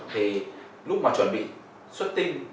thì lúc mà chuẩn bị suất tinh